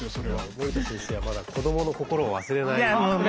森田先生はまだ子どもの心を忘れない。